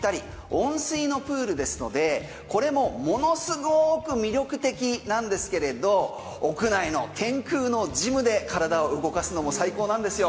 温水のプールですのでこれもものすごく魅力的なんですけれど屋内の天空のジムで体を動かすのも最高なんですよ。